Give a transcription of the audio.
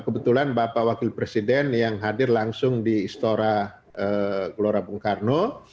kebetulan bapak wakil presiden yang hadir langsung di istora gelora bung karno